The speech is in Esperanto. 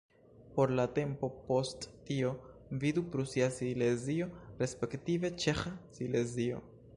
Por la tempo post tio, vidu: Prusia Silezio respektive Ĉeĥa Silezio.